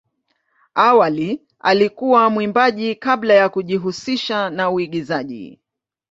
Awali alikuwa mwimbaji kabla ya kujihusisha na uigizaji.